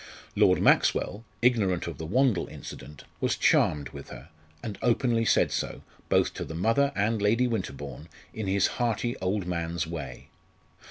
Lord Maxwell ignorant of the Wandle incident was charmed with her, and openly said so, both to the mother and Lady Winterbourne, in his hearty old man's way.